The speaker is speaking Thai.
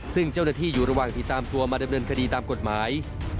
ซึ่งเจ้าหน้าที่อยู่ระหว่างติดตามตัวมาดำเนินคดีตามกฎหมาย